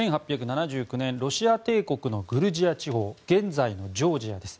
１８７９年ロシア帝国のグルジア地方現在のジョージアです。